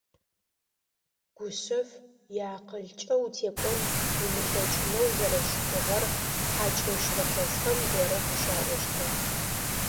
Гушъэф иакъылкӏэ утекӏон умылъэкӏынэу зэрэщытыгъэр хьакӏэщ зэхэсхэм бэрэ къыщаӏощтыгъ.